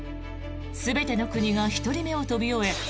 全ての国が１人目を飛び終え